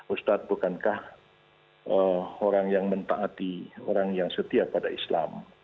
ustadz bukankah orang yang mentaati orang yang setia pada islam